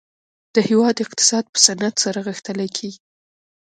د هیواد اقتصاد په صنعت سره غښتلی کیږي